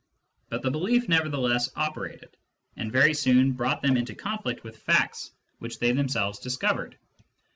But the belief never theless operated, and very soon brought them into conflict with facts which they themselves discovered.